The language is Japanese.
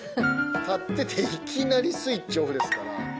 立ってていきなりスイッチオフですから。